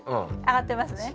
上がってますね。